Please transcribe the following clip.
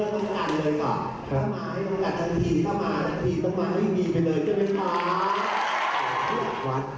ต้องมาให้โอกาสทันทีต้องมาให้ดีไปเลยใช่ไหมคะ